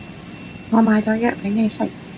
我買咗藥畀你食